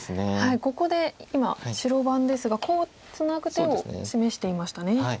ここで今白番ですがコウをツナぐ手を示していましたね。